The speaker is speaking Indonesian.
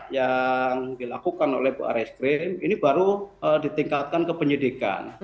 yang dilakukan oleh bu areskrim ini baru ditingkatkan ke penyidikan